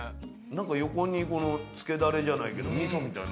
横につけだれじゃないけど味噌みたいな。